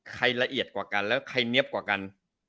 ละเอียดกว่ากันแล้วใครเนี๊ยบกว่ากัน